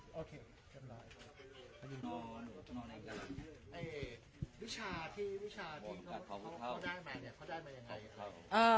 วิชาที่เขาได้มาเนี่ยเขาได้มายังไง